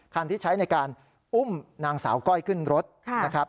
ที่ใช้ในการอุ้มนางสาวก้อยขึ้นรถนะครับ